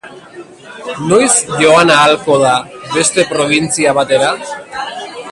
Noiz joan ahalko da beste probintzia batera?